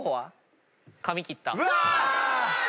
うわ！